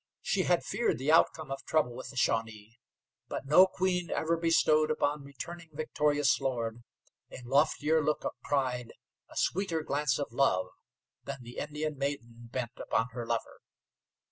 She had feared the outcome of trouble with the Shawnee, but no queen ever bestowed upon returning victorious lord a loftier look of pride, a sweeter glance of love, than the Indian maiden bent upon her lover.